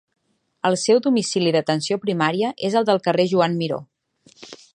El seu domicili d'atenció primària és el del carrer Joan Miró.